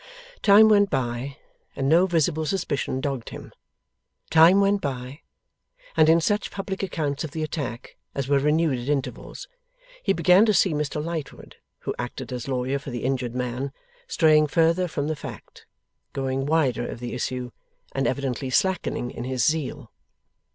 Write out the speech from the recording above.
Time went by, and no visible suspicion dogged him; time went by, and in such public accounts of the attack as were renewed at intervals, he began to see Mr Lightwood (who acted as lawyer for the injured man) straying further from the fact, going wider of the issue, and evidently slackening in his zeal.